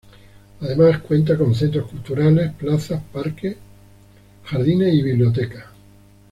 Además cuenta con centros culturales, plaza, parques, jardines y biblioteca.